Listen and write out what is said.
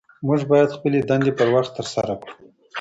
موږ باید خپلې دندې پر وخت ترسره کړو